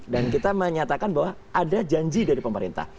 dan kita menyatakan bahwa ada janji dari pemerintah